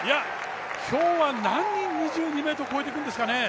今日は何人２２ｍ越えてくるんですかね